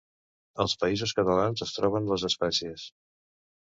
Als Països Catalans es troben les espècies.